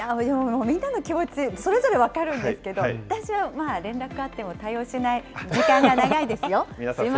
でもみんなの気持ち、それぞれ分かるんですけど、私は連絡あっても対応しない時間が長いですよ。